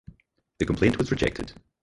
The complaint was rejected.